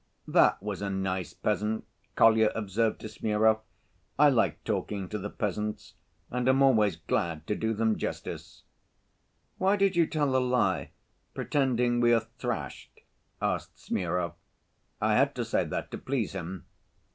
"That was a nice peasant," Kolya observed to Smurov. "I like talking to the peasants, and am always glad to do them justice." "Why did you tell a lie, pretending we are thrashed?" asked Smurov. "I had to say that to please him."